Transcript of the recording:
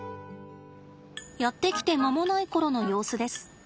やって来て間もない頃の様子です。